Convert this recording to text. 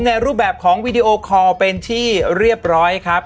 ในรูปแบบของวีดีโอคอลเป็นที่เรียบร้อยครับ